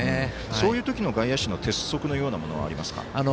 そういう時の外野手の鉄則のようなものはありますか？